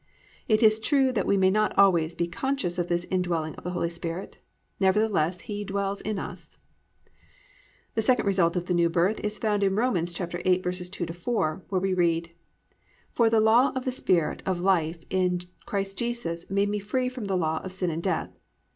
It is true that we may not always be conscious of this indwelling of the Holy Spirit, nevertheless He dwells in us. 2. The second result of the New Birth is found in Rom. 8:2 4, where we read: +"For the law of the Spirit of life in Christ Jesus made me free from the law of sin and of death.